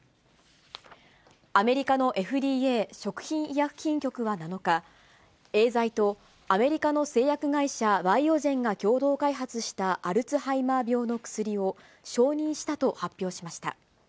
アメリカのＦＤＡ・食品医薬品局は７日、エーザイとアメリカの製薬会社、バイオジェンが共同開発したアルツハイマー病の薬を、承認したと発表しました。